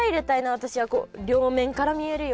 私はこう両面から見えるように。